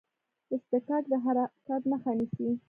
اصطکاک د حرکت مخه نیسي.